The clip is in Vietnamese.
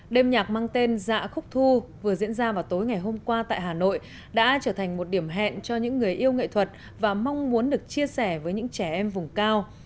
đêm nhạc mang tên dạ khúc thu vừa diễn ra vào tối ngày hôm qua tại hà nội đã trở thành một điểm hẹn cho những người yêu nghệ thuật và mong muốn được chia sẻ với những trẻ em vùng cao